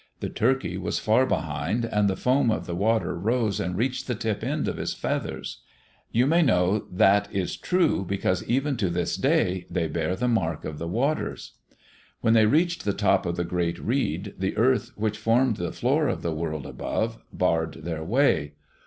The turkey was far behind and the foam of the water rose and reached the tip ends of his feathers. You may know that is true because even to this day they bear the mark of the waters. When they reached the top of the great reed, the earth which formed the floor of the world above, barred their way.